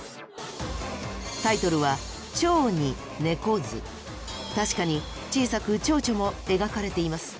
タイトルは確かに小さくチョウチョも描かれています。